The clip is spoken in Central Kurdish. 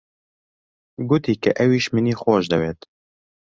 گوتی کە ئەویش منی خۆش دەوێت.